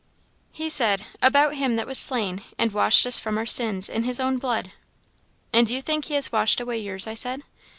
"He said, 'About Him that was slain, and washed us from our sins in his own blood.' " 'And do you think he has washed away yours?' I said.